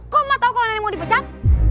kok emang tau kalau nenek mau dipecat